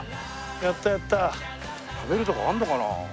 やったやった。食べるとこあるのかな？